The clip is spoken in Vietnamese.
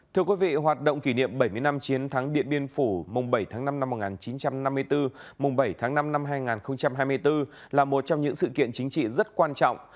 thưa quý vị hoạt động kỷ niệm bảy mươi năm chiến thắng điện biên phủ mùng bảy tháng năm năm một nghìn chín trăm năm mươi bốn mùng bảy tháng năm năm hai nghìn hai mươi bốn là một trong những sự kiện chính trị rất quan trọng